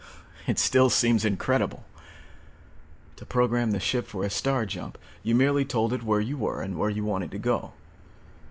"It still seems incredible. To program the ship for a star jump, you merely told it where you were and where you wanted to go.